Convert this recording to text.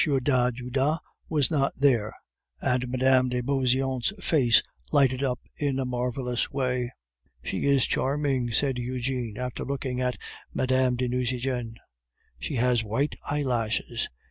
d'Ajuda was not there, and Mme. de Beauseant's face lighted up in a marvelous way. "She is charming," said Eugene, after looking at Mme. de Nucingen. "She has white eyelashes."